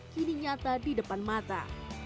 kini nyata di depan mata